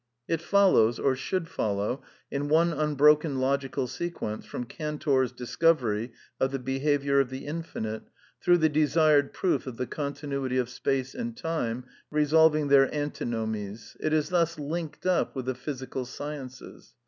It follows (or should follow) in one unbroken logical sequence from Cantor's discovery of the behaviour of the Infinite, through the desired proof of the continuity of space and time, resolving their antinomies. It is thus linked up with the physical sciences.